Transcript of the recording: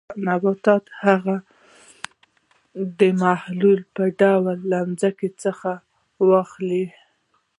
نباتات هغه د محلول په ډول له ځمکې څخه واخلي.